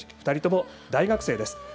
２人とも大学生です。